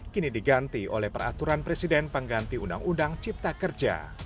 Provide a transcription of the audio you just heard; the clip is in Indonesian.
kini diganti oleh peraturan presiden pengganti undang undang cipta kerja